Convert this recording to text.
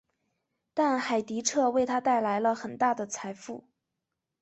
但海迪彻为他带来了很大的财富。